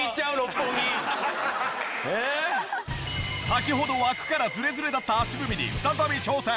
先ほど枠からズレズレだった足踏みに再び挑戦。